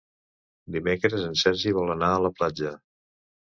Dimecres en Sergi vol anar a la platja.